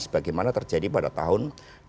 sebagaimana terjadi pada tahun dua ribu sembilan belas